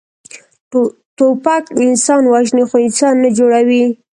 توپک انسان وژني، خو انسان نه جوړوي.